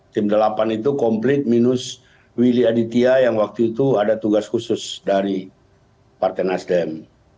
tim delapan itu komplit minus willy aditya yang waktu itu ada tugas khusus dari partai nasdem